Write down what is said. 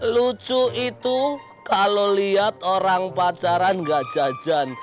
lucu itu kalau lihat orang pacaran gak jajan